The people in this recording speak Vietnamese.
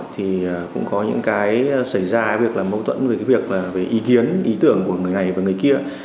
thì có những cái xảy ra mâu tuẫn về cái việc về ý kiến ý tưởng của người này và người kia